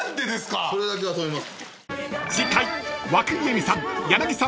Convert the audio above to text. ［次回］